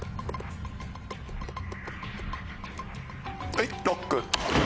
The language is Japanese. はいＬＯＣＫ！